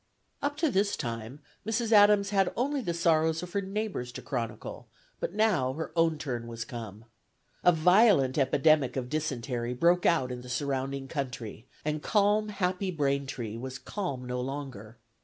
..." Up to this time, Mrs. Adams had only the sorrows of her neighbors to chronicle, but now her own turn was come. A violent epidemic of dysentery broke out in the surrounding country, and "calm, happy Braintree" was calm no longer.